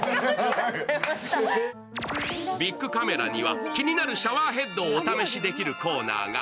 ビックカメラには気になるシャワーヘッドをお試しできるコーナーが。